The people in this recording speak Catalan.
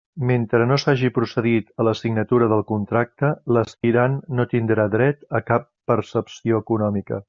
Mentre no s'hagi procedit a la signatura del contracte, l'aspirant no tindrà dret a cap percepció econòmica.